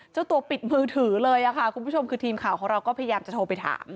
เจ้าตัวปิดมือถือเลยค่ะคุณผู้ชมคือทีมข่าวของเราก็พยายามจะโทรไปถาม